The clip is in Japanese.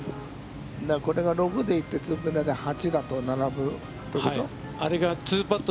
これが６で行って２ペナで８だと並ぶということ？